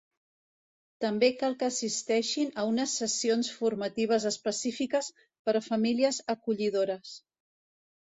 També cal que assisteixin a unes sessions formatives específiques per a famílies acollidores.